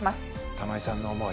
玉井さんの思い